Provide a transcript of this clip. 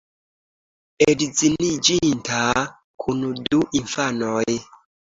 Edziniĝinta, kun du infanoj.